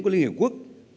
của liên hiệp quốc